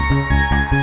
mak mau beli es krim